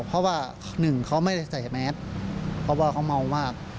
เพราะว่าหนึ่งเขาไม่ได้ใส่แมสเพราะว่าเขาเมามาก